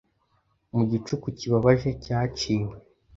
Mu gicucu kibabaje cyaciwe